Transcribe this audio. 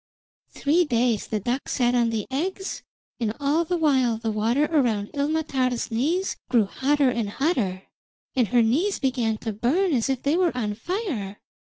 Three days the duck sat on the eggs, and all the while the water around Ilmatar's knees grew hotter and hotter, and her knees began to burn as if they were on fire.